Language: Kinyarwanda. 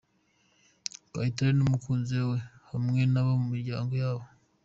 Kayitare n'umukunzi we hamwe n'abo mu miryango yabo.